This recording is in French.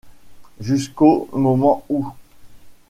Jusqu’au moment où...